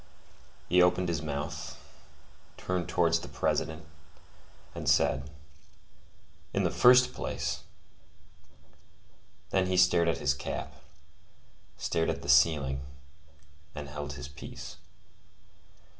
He opened his mouth, turned towards the President, and said:— "In the first place—" Then he stared at his cap, stared at the ceiling, and held his peace.